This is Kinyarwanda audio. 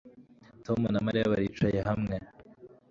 Tom na Mariya baricaye hamwe